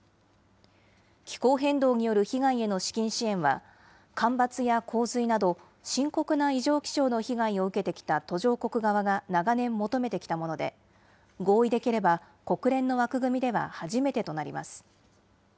気候変動による被害への資金支援は、干ばつや洪水など、深刻な異常気象の被害を受けてきた途上国側が長年求めてきたもので、合意できれば、国連の枠組みでは初めてとなります。